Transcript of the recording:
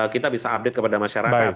kita bisa update kepada masyarakat